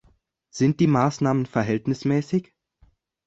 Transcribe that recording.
Sind die Maßnahmen verhältnismäßig?